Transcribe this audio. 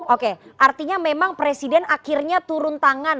oke artinya memang presiden akhirnya turun tangan